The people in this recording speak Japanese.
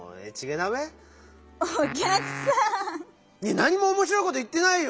なにもおもしろいこといってないよ！